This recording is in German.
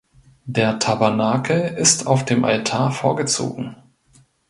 Der Tabernakel ist auf dem Altar vorgezogen.